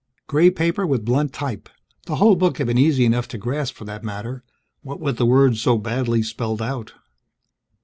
Gray paper with blunt type, the whole book had been easy enough to grasp for that matter what with the words so badly spelled out.